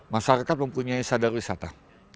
masyarakat mempunyai sadar wisata